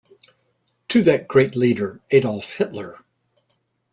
… To that great leader, Adolf Hitler!